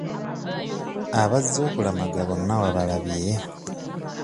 Abazze okulamaga bonna wabalabye?